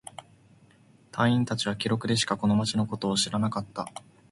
隊員達は記録でしかこの町のことを知らなかった。